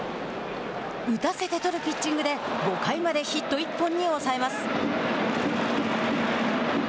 打たせて取るピッチングで５回までヒット１本に抑えます。